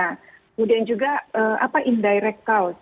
kemudian juga apa indirect cause